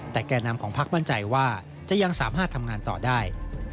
แต่แก่นำของพักมั่นใจว่าจะยังสามารถทำงานต่อได้